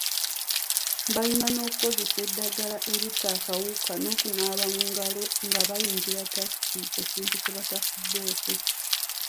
Balina n’okukuzesa eddagala eritta akawuka, n’okunaaba mu ngalo nga bayingira takisi ekintu kye batafuddeko.